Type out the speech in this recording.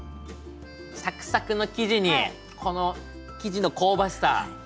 サクサクの生地にこの生地の香ばしさ。